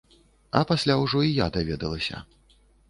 А пасля ўжо і я даведалася.